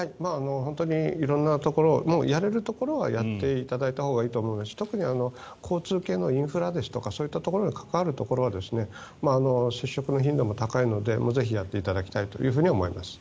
本当に色んなところやれるところはやっていただいたほうがいいと思いますし特に交通系のインフラですとかそういったところに関わるところは接触の頻度も高いのでぜひやっていただきたいと思います。